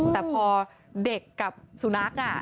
แต่พอเด็กกับสุนัข